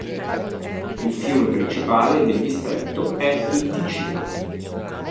Il fiume principale del distretto è il Ticino.